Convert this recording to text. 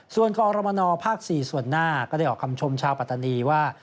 ส่วนกรมนภ๔ส่วนหน้าก็ได้ออกคำชมชาวปัตตานีว่า